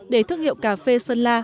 để thức hiệu cà phê sơn la